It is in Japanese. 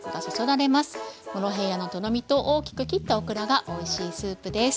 モロヘイヤのとろみと大きく切ったオクラがおいしいスープです。